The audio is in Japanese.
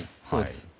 そうです。